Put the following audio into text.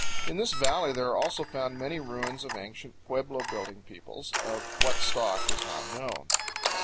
In this valley there are also found many ruins of ancient pueblo building peoples of what stock is not known.